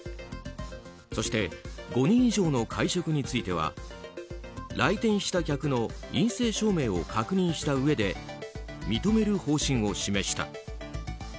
そして５人以上の会食については来店した客の陰性証明を確認したうえで認める方針を示した。